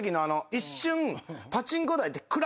一瞬。